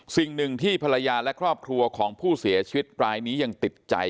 สิ่งหนึ่งที่ภรรยาและครอบครัวของผู้เสียชีวิตรายนี้ยังติดใจ